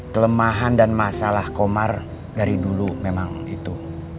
kelemahan dan masalah komar dari dulu memang itu